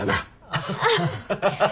アハハハハ。